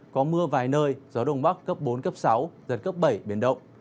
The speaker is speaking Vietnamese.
có mưa vài nơi gió đông bắc cấp bốn sáu giật cấp bảy biển đông